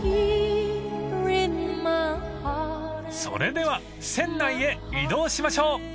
［それでは船内へ移動しましょう］